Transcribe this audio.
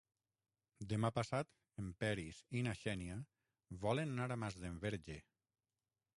Demà passat en Peris i na Xènia volen anar a Masdenverge.